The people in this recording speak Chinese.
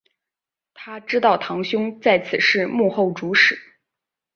她知道堂兄在此事幕后主使。